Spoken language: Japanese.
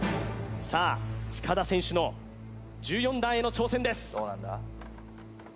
さあ塚田選手の１４段への挑戦です